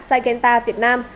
saigenta việt nam